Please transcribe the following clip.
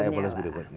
ada evolusi berikutnya